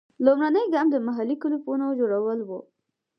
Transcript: لومړنی ګام د محلي کلوپونو جوړول وو.